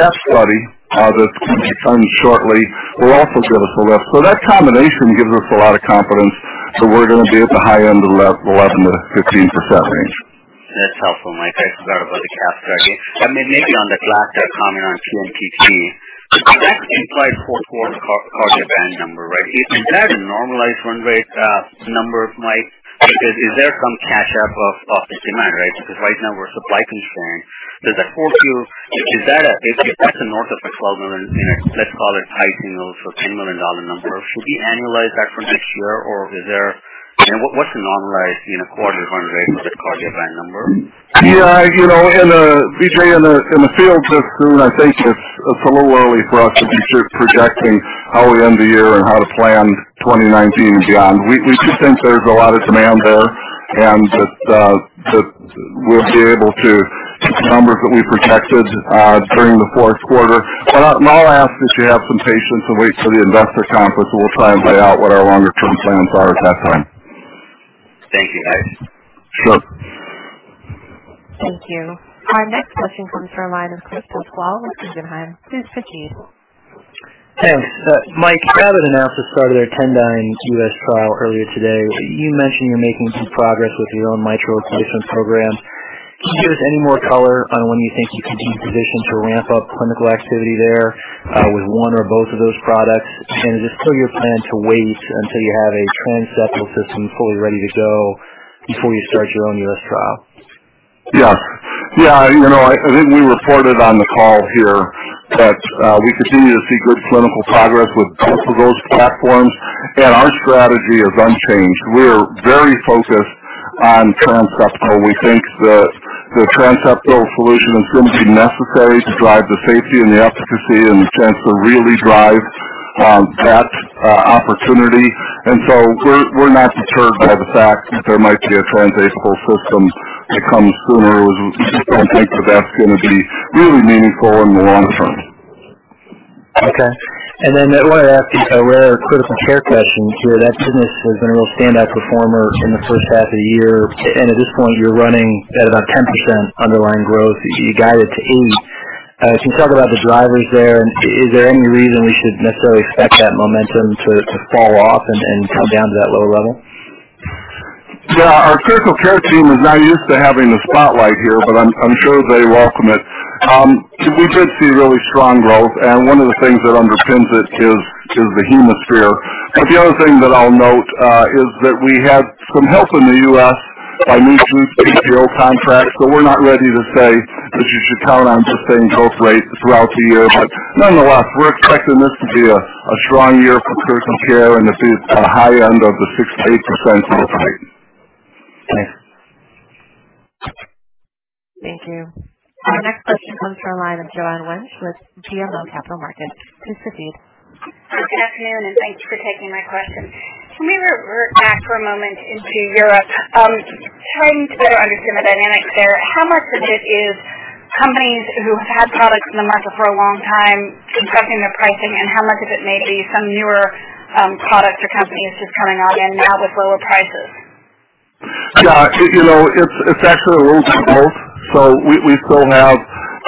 CAP study that's going to be done shortly will also give us a lift. That combination gives us a lot of confidence that we're going to be at the high end of the 11%-15% range. That's helpful, Mike. I forgot about the CAP study. Maybe on that last comment on TMTT, that implies fourth quarter [inaudible] number, right? Is that a normalized run rate number, Mike? Is there some catch up of demand, right? Because right now we're supply constrained. If that's north of a $12 million, let's call it high single, so $10 million number, should we annualize that for next year? Or what's the normalized quarter run rate for the [inaudible] number? Vijay, in the field just soon, I think it's a little early for us to be projecting how we end the year how to plan 2019 and beyond. We just think there's a lot of demand there, and that we'll be able to hit the numbers that we protected during the fourth quarter. I'll ask that you have some patience and wait for the investor conference, and we'll try and lay out what our longer-term plans are at that time. Thank you, Mike. Sure. Thank you. Our next question comes from the line of Chris Pasquale with Guggenheim. Please proceed. Thanks. Mike, Abbott announced the start of their Tendyne U.S. trial earlier today. You mentioned you're making some progress with your own mitral replacement program. Can you give us any more color on when you think you can be positioned to ramp up clinical activity there, with one or both of those products? Is it still your plan to wait until you have a transseptal system fully ready to go before you start your own U.S. trial? Yeah. I think we reported on the call here that we continue to see good clinical progress with both of those platforms, our strategy is unchanged. We're very focused on transseptal. We think that the transseptal solution is going to be necessary to drive the safety and the efficacy and stand to really drive that opportunity. We're not deterred by the fact that there might be a transapical system that comes sooner. We just don't think that that's going to be really meaningful in the longer term. Okay. I wanted to ask you a rare critical care question here. That business has been a real standout performer from the first half of the year, at this point, you're running at about 10% underlying growth. You guided to 8%. Can you talk about the drivers there? Is there any reason we should necessarily expect that momentum to fall off and come down to that lower level? Yeah. Our critical care team is not used to having the spotlight here, I'm sure they welcome it. We did see really strong growth, one of the things that underpins it is the HemoSphere. The other thing that I'll note is that we had some help in the U.S. by new group GPO contracts, we're not ready to say that you should count on the same growth rate throughout the year. Nonetheless, we're expecting this to be a strong year for critical care and to be at the high end of the 6%-8% growth rate. Okay. Thank you. Our next question comes from the line of Joanne Wuensch with BMO Capital Markets. Please proceed. Good afternoon, and thanks for taking my question. Can we revert back for a moment into Europe? Trying to better understand the dynamics there. How much of it is companies who have had products in the market for a long time impacting the pricing, and how much of it may be some newer products or companies just coming on and now with lower prices? It's actually a little bit of both. We still have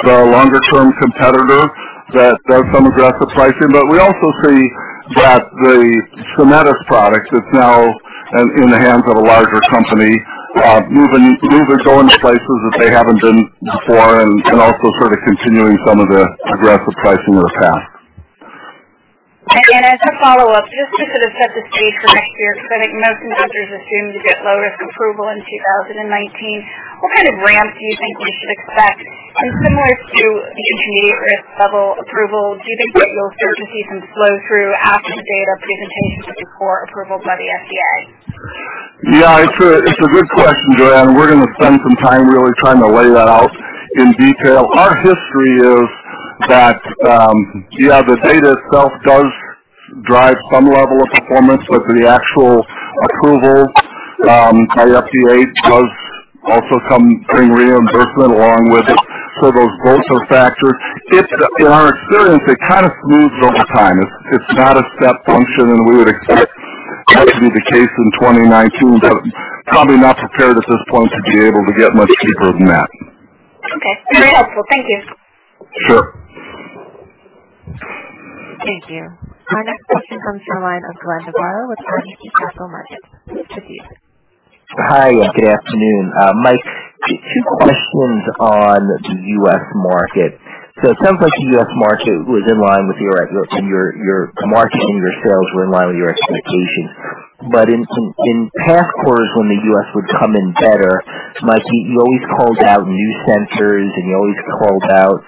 the longer-term competitor that does some aggressive pricing, but we also see that the Symetis product that's now in the hands of a larger company moving, going to places that they haven't been before and also sort of continuing some of the aggressive pricing of the past. As a follow-up, just to sort of set the stage for next year, because I think most investors assume you get low-risk approval in 2019. What kind of ramp do you think we should expect? Similar to the intermediate-risk level approval, do you think that you'll start to see some flow through after the data presentation but before approval by the FDA? It's a good question, Joanne. We're going to spend some time really trying to lay that out in detail. Our history is that the data itself does drive some level of performance, but the actual approval by FDA does also come during reimbursement along with it. Those both are factors. In our experience, it kind of smooths over time. It's not a step function, and we would expect that to be the case in 2019. Probably not prepared at this point to be able to get much deeper than that. Okay. Very helpful. Thank you. Sure. Thank you. Our next question comes from the line of Glenn Novarro with RBC Capital Markets. Please proceed. Hi. Good afternoon. Mike, two questions on the U.S. market. It sounds like the U.S. market and your sales were in line with your expectations. In past quarters, when the U.S. would come in better, Mike, you always called out new centers, and you always called out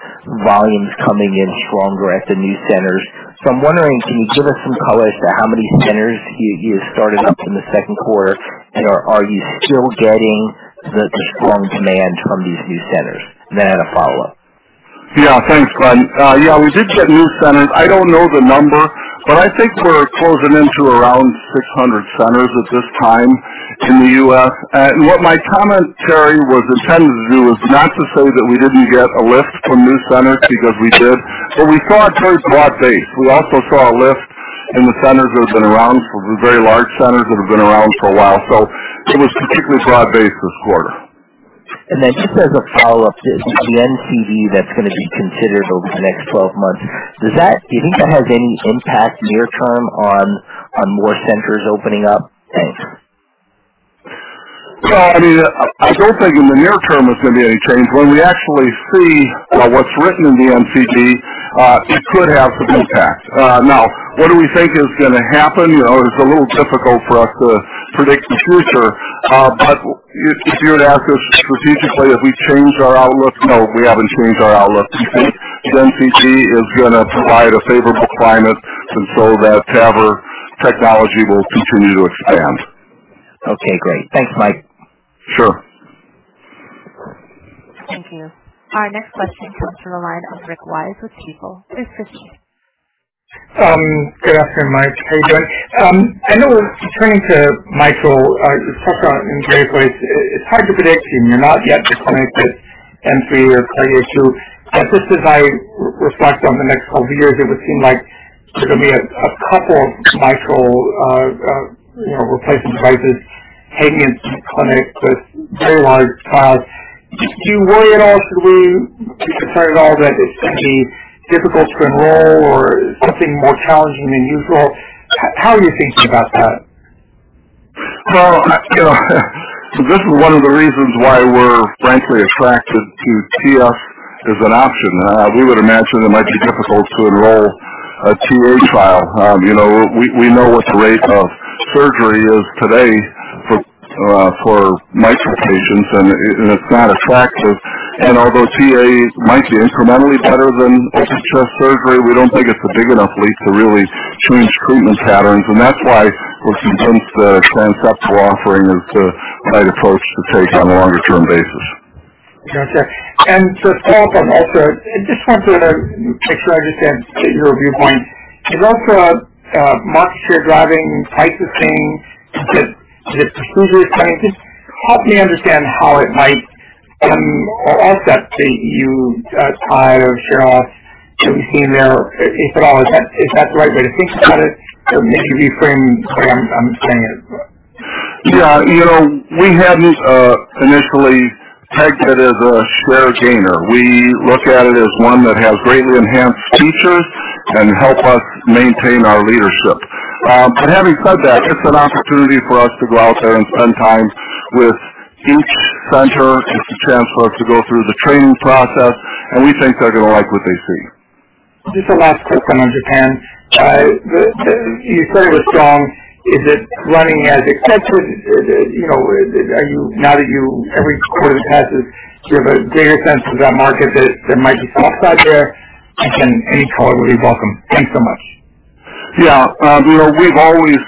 volumes coming in stronger at the new centers. I'm wondering, can you give us some color as to how many centers you started up in the second quarter? Are you still getting the strong demand from these new centers? I had a follow-up. Yeah, thanks, Glenn. Yeah, we did get new centers. I don't know the number, but I think we're closing in to around 600 centers at this time in the U.S. What my commentary was intended to do was not to say that we didn't get a lift from new centers, because we did, but we saw it very broad-based. We also saw a lift in the centers that have been around for very large centers that have been around for a while. It was particularly broad-based this quarter. Just as a follow-up to the NCD that's going to be considered over the next 12 months. Do you think that has any impact near term on more centers opening up? Thanks. I don't think in the near term it's going to be any change. When we actually see what's written in the NCD, it could have some impact. Now, what do we think is going to happen? It's a little difficult for us to predict the future. If you were to ask us strategically, have we changed our outlook? No, we haven't changed our outlook. We think the NCD is going to provide a favorable climate, that TAVR technology will continue to expand. Okay, great. Thanks, Mike. Sure. Thank you. Our next question comes from the line of Rick Wise with Stifel. Please proceed. Good afternoon, Mike. How you doing? I know, returning to Mitral, you talked about it in various ways. It's hard to predict and you're not yet to a point that, [inaudible] but just as I reflect on the next 12 years, it would seem like there's going to be a couple of mitral replacement devices hitting into each clinic with very large trials. Do you worry at all? Should we be concerned at all that it's going to be difficult to enroll or something more challenging than usual? How are you thinking about that? Well this is one of the reasons why we're frankly attracted to transfemoral as an option. We would imagine it might be difficult to enroll a TA trial. We know what the rate of surgery is today for mitral patients. It's not attractive. Although TA might be incrementally better than open-chest surgery, we don't think it's a big enough leap to really change treatment patterns. That's why we're convinced the transcatheter offering is the right approach to take on a longer-term basis. Okay. To follow up on ULTRA, I just wanted to make sure I understand your viewpoint. Is ULTRA market share driving pricing that the procedure is driving? Just help me understand how it might offset the EU tide of share loss that we've seen there, if at all. Is that the right way to think about it? Maybe reframe the way I'm saying it. Yeah. We hadn't initially tagged it as a share gainer. We look at it as one that has greatly enhanced features and help us maintain our leadership. Having said that, it's an opportunity for us to go out there and spend time with each center. It's a chance for us to go through the training process, and we think they're going to like what they see. Just a last question on Japan. You said it was strong. Is it running as expected? Every quarter that passes, do you have a greater sense of that market that there might be some upside there? Again, any color would be welcome. Thanks so much. Yeah. We've always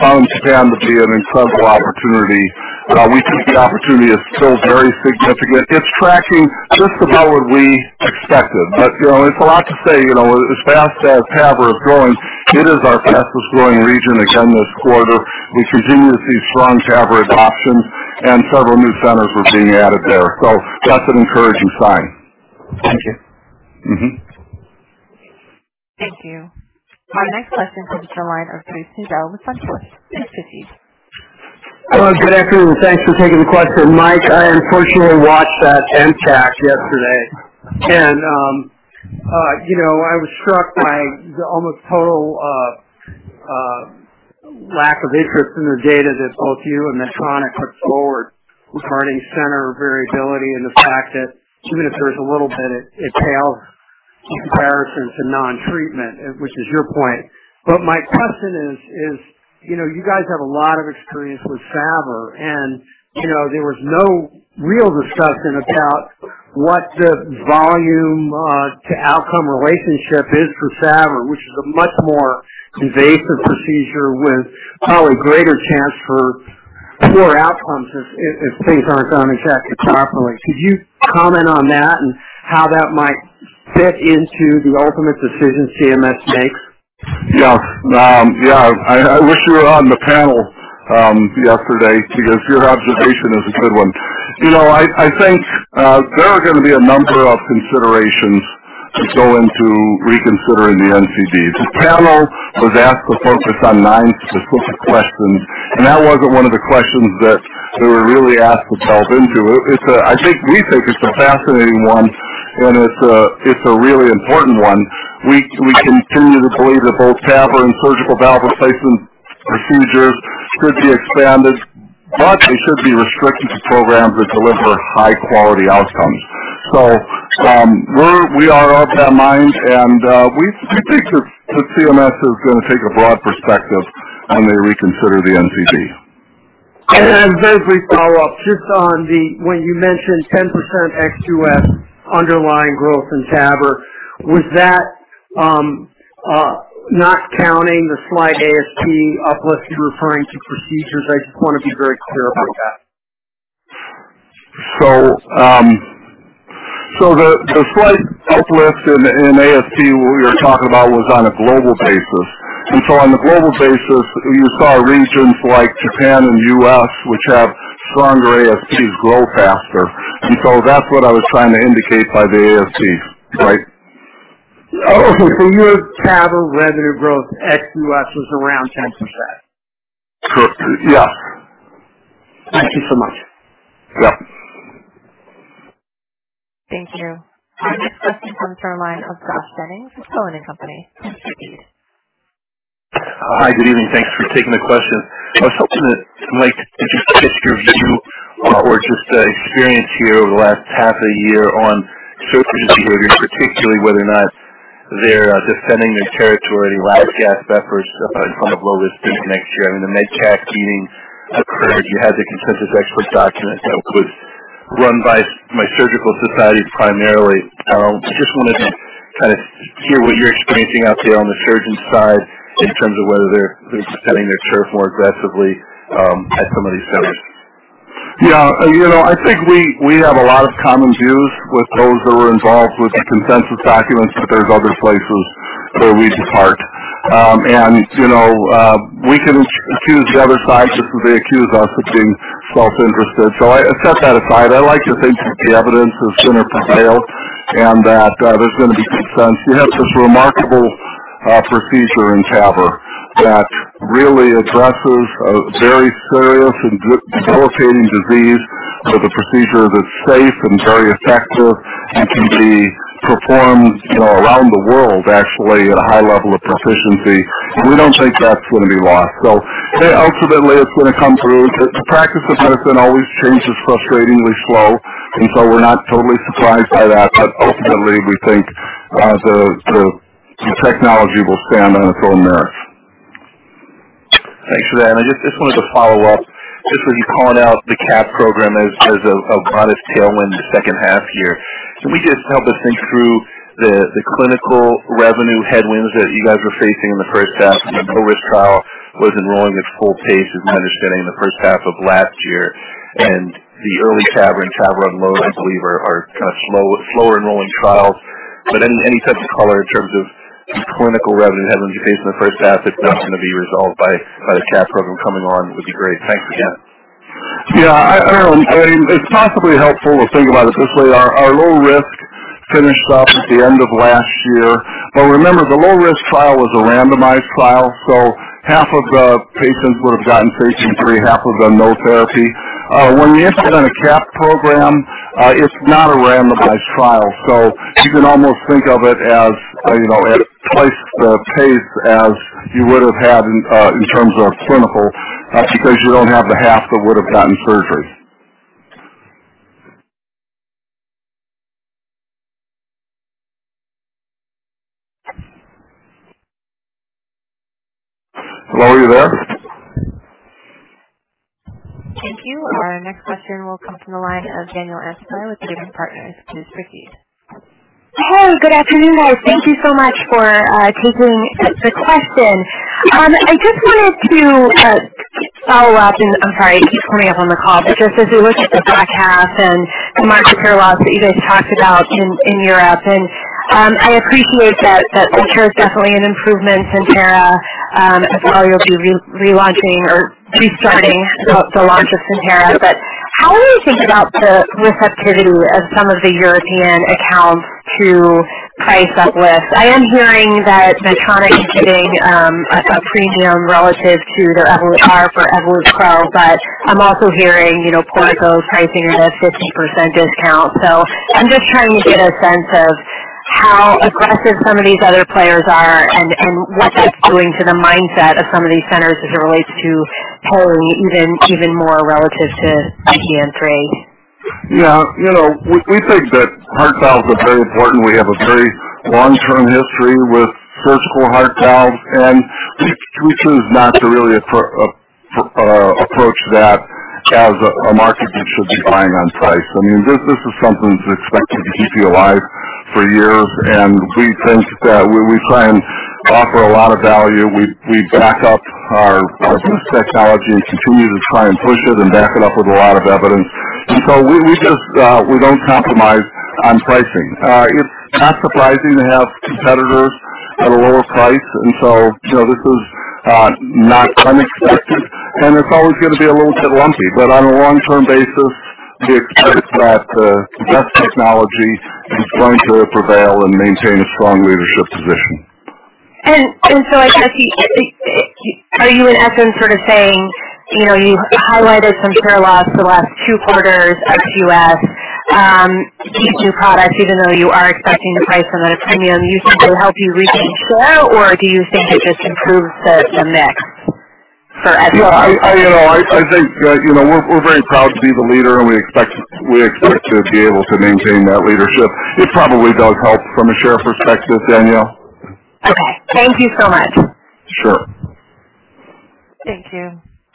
found Japan to be an incredible opportunity. We think the opportunity is still very significant. It's tracking just about what we expected. It's a lot to say, as fast as TAVR is growing, it is our fastest growing region again this quarter. We continue to see strong TAVR adoption and several new centers are being added there. That's an encouraging sign. Thank you. Thank you. Our next question comes from the line of Travis Steed with SunTrust. Please proceed. Good afternoon. Thanks for taking the question. Mike, I unfortunately watched that MEDCAC yesterday, and I was struck by the almost total lack of interest in the data that both you and Medtronic put forward regarding center variability and the fact that even if there's a little bit, it pales to comparison to non-treatment, which is your point. My question is, you guys have a lot of experience with TAVR, there was no real discussion about what the volume-to-outcome relationship is for TAVR, which is a much more invasive procedure with probably greater chance for poor outcomes if things aren't done exactly properly. Could you comment on that and how that might fit into the ultimate decision CMS makes? Yeah. I wish you were on the panel yesterday because your observation is a good one. I think there are going to be a number of considerations that go into reconsidering the NCD. The panel was asked to focus on nine specific questions, that wasn't one of the questions that we were really asked to delve into. I think we think it's a fascinating one, it's a really important one. We continue to believe that both TAVR and surgical valve replacement procedures could be expanded, but they should be restricted to programs that deliver high-quality outcomes. We are of that mind, we think that CMS is going to take a broad perspective when they reconsider the NCD. A quick follow-up just on when you mentioned 10% ex-U.S. underlying growth in TAVR. Was that not counting the slight ASP uplift you're referring to procedures? I just want to be very clear about that. The slight uplift in ASP we were talking about was on a global basis. On the global basis, you saw regions like Japan and U.S., which have stronger ASPs grow faster. That's what I was trying to indicate by the ASPs. Right. Okay. Your TAVR revenue growth ex-U.S. was around 10%. Correct. Yes. Thank you so much. Yeah. Thank you. Our next question comes from the line of Josh Jennings with Cowen and Company. Please proceed. Hi, good evening. Thanks for taking the question. I was hoping that, Mike, if you could just your view or just experience here over the last half a year on surgery behavior, particularly whether or not they're defending their territory, last-gasp efforts in front of low-risk next year. I mean, the MEDCAC meeting occurred. You had the consensus expert document that was run by surgical societies primarily. I just wondered what you're experiencing out there on the surgeon side in terms of whether they're setting their turf more aggressively at some of these centers. Yeah. I think we have a lot of common views with those that were involved with the consensus documents, but there's other places where we depart. We can accuse the other side just as they accuse us of being self-interested. I set that aside. I like to think that the evidence is going to prevail and that there's going to be consensus. You have this remarkable procedure in TAVR that really addresses a very serious and debilitating disease with a procedure that's safe and very effective and can be performed around the world, actually, at a high level of proficiency. We don't think that's going to be lost. Ultimately, it's going to come through. The practice of medicine always changes frustratingly slow, we're not totally surprised by that. Ultimately, we think the technology will stand on its own merits. Thanks for that. I just wanted to follow up, just with you calling out the CAP program as a modest tailwind the second half year. Can we just help us think through the clinical revenue headwinds that you guys were facing in the first half? The low-risk trial was enrolling at full pace, is my understanding, in the first half of last year, and the early TAVR and TAVR UNLOAD, I believe, are kind of slower enrolling trials. Any sense of color in terms of the clinical revenue headwinds you faced in the first half, if that's going to be resolved by the CAP program coming on would be great. Thanks again. Yeah. It's possibly helpful to think about it this way. Our low-risk finished up at the end of last year. Remember, the low-risk trial was a randomized trial. Half of the patients would have gotten surgery, half of them no therapy. When you implement a CAP program, it's not a randomized trial. You can almost think of it as at twice the pace as you would have had in terms of clinical, because you don't have the half that would have gotten surgery. Hello, are you there? Thank you. Our next question will come from the line of Danielle Antalffy with Leerink Partners. Please proceed. Hello, good afternoon, guys. Thank you so much for taking the question. I just wanted to follow up. I'm sorry, I keep coming up on the call, just as we look at the back half and the market share loss that you guys talked about in Europe, and I appreciate that CENTERA is definitely an improvement, CENTERA, as far as you'll be relaunching or restarting the launch of CENTERA. How are you think about the receptivity of some of the European accounts to price uptick? I am hearing that Medtronic is giving a premium relative to their Evolut R for Edwards SAPIEN, but I'm also hearing Portico pricing it at a 50% discount. I'm just trying to get a sense of how aggressive some of these other players are and what that's doing to the mindset of some of these centers as it relates to pricing even more relative to S3. Yeah. We think that heart valves are very important. We have a very long-term history with surgical heart valves, we choose not to really approach that as a market that should be buying on price. This is something that's expected to keep you alive for years, we think that we try and offer a lot of value. We back up our technology and continue to try and push it and back it up with a lot of evidence. We don't compromise on pricing. It's not surprising to have competitors at a lower price. This is not unexpected, and it's always going to be a little bit lumpy. On a long-term basis, we expect that the best technology is going to prevail and maintain a strong leadership position. I guess, are you in essence sort of saying, you highlighted some share loss the last two quarters ex U.S. to each new product, even though you are expecting to price on a premium. You think it'll help you regain share or do you think it just improves the mix for Edwards? Yeah. I think we're very proud to be the leader and we expect to be able to maintain that leadership. It probably does help from a share perspective, Danielle. Okay. Thank you so much. Sure. Thank you.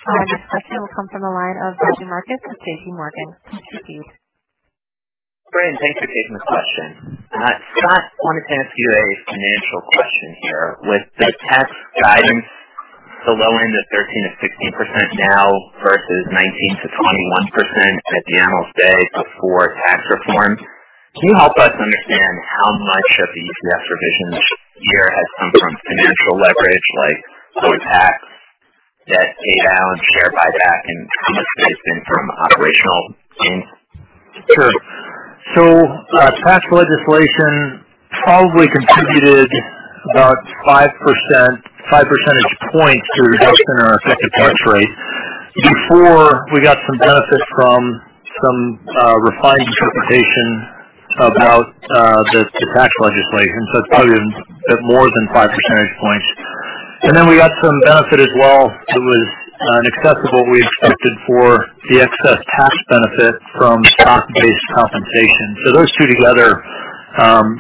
Our next question will come from the line of Raj Denhoy with Jefferies. Please proceed. Raj, thanks for taking the question. Scott, wanted to ask you a financial question here. With the tax guidance, the low end of 13%-15% now versus 19%-21% at the analyst day before tax reform, can you help us understand how much of the U.S. revisions year has come from financial leverage, like lower tax, debt pay down, share buyback, and how much of it has been from operational gains? Sure. Tax legislation probably contributed about five percentage points to the reduction in our effective tax rate. Before we got some benefit from some refined interpretation about the tax legislation. It's probably a bit more than five percentage points. Then we got some benefit as well that was an excess of what we expected for the excess tax benefit from stock-based compensation. Those two together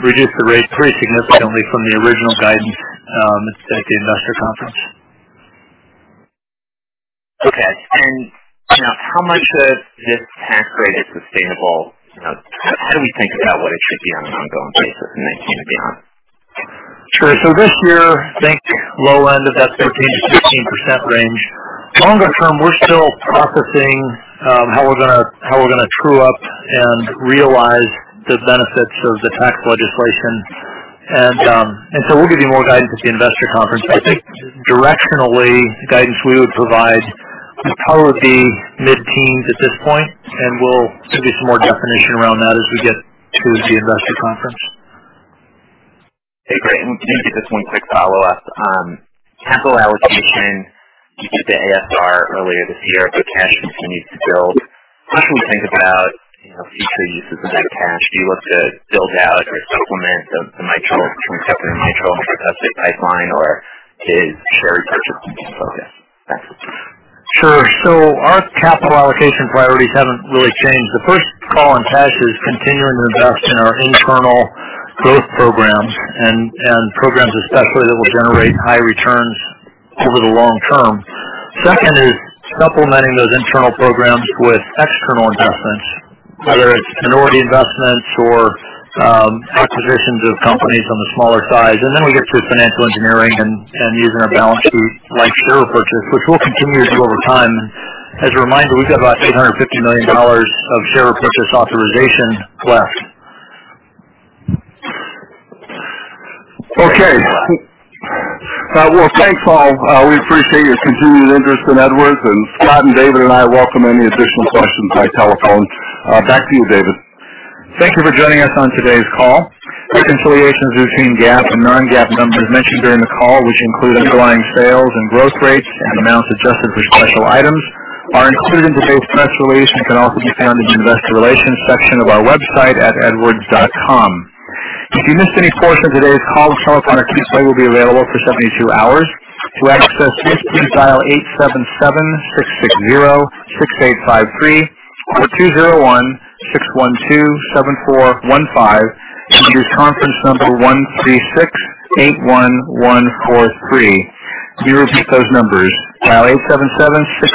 reduced the rate pretty significantly from the original guidance at the investor conference. Okay. How much of this tax rate is sustainable? How do we think about what it should be on an ongoing basis in 2019 and beyond? Sure. This year, think low end of that 13%-15% range. Longer term, we're still processing how we're going to true up and realize the benefits of the tax legislation. We'll give you more guidance at the investor conference. I think directionally, the guidance we would provide would probably be mid-teens at this point, and we'll give you some more definition around that as we get to the investor conference. Okay, great. Can you give just one quick follow-up? Capital allocation, you did the ASR earlier this year, cash continues to build. How can we think about future uses of that cash? Do you look to build out or supplement the Mitral, Transcatheter Mitral, for example, that's a pipeline, or is share repurchase the main focus? Sure. Our capital allocation priorities haven't really changed. The first call on cash is continuing to invest in our internal growth programs and programs especially that will generate high returns over the long term. Second is supplementing those internal programs with external investments, whether it's minority investments or acquisitions of companies on the smaller size. We get to financial engineering and using our balance sheet like share purchases, which we'll continue to do over time. As a reminder, we've got about $850 million of share purchase authorization left. Okay. Well, thanks, all. We appreciate your continued interest in Edwards, Scott and David and I welcome any additional questions by telephone. Back to you, David. Thank you for joining us on today's call. The reconciliations between GAAP and non-GAAP numbers mentioned during the call, which include underlying sales and growth rates and amounts adjusted for special items are included in today's press release and can also be found in the investor relations section of our website at edwards.com. If you missed any portion of today's call, a telephone replay will be available for 72 hours. To access this, please dial 877-660-6853 or 201-612-7415 and use conference number 13681143. Let me repeat those numbers. Dial 877-660-6853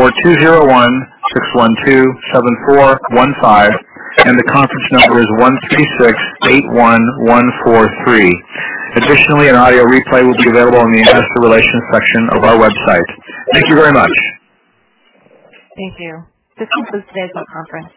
or 201-612-7415, the conference number is 13681143. Additionally, an audio replay will be available on the investor relations section of our website. Thank you very much. Thank you. This concludes today's call conference.